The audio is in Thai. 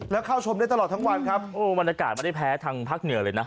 แล้วเข้าชมได้ตลอดทั้งวันครับโอ้บรรยากาศไม่ได้แพ้ทางภาคเหนือเลยนะ